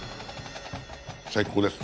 最高です。